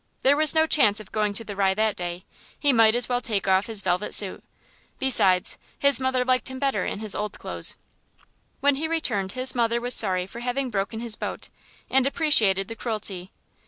There was no chance of going to the Rye that day; he might as well take off his velvet suit; besides, his mother liked him better in his old clothes. When he returned his mother was sorry for having broken his boat, and appreciated the cruelty.